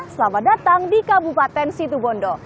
selamat datang di kabupaten situbondo